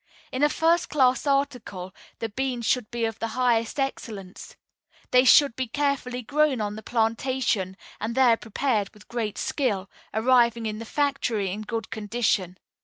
In a first class article, the beans should be of the highest excellence; they should be carefully grown on the plantation and there prepared with great skill, arriving in the factory in good condition.